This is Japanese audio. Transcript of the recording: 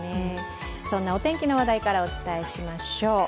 そんなお天気の話題からお伝えしましょう。